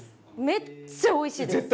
めっちゃおいしいです！